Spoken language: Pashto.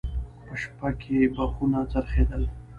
په شپه کې به خونه څرخېدل.